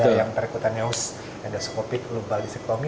ada yang terikutnya eus endoscopic lubal disectomy